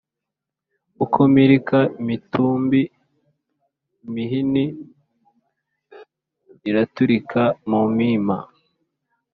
uko mpilika imitumbi, imihini iratulika mu mpima,